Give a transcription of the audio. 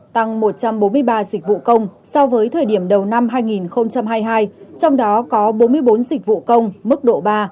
tăng một trăm bốn mươi ba dịch vụ công so với thời điểm đầu năm hai nghìn hai mươi hai trong đó có bốn mươi bốn dịch vụ công mức độ ba